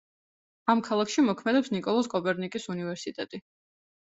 ამ ქალაქში მოქმედებს ნიკოლოზ კოპერნიკის უნივერსიტეტი.